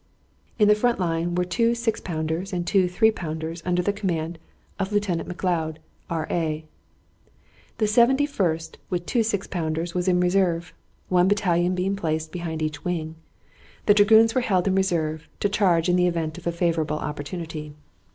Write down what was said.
In the front line were two six pounders and two three pounders under the command of Lieutenant Macleod, R. A. The Seventy first, with two six pounders, was in reserve, one battalion being placed behind each wing. The dragoons were held in reserve, to charge in the event of a favorable opportunity.